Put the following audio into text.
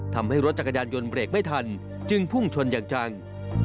ทำให้รถจักรยานยนต์เบรกไม่ทันจึงพุ่งชนอย่างจัง